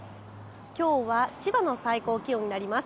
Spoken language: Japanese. きょうは千葉の最高気温になります。